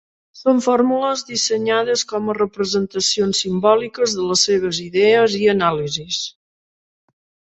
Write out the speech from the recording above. Són fórmules, dissenyades com a representacions simbòliques de les seves idees i anàlisis.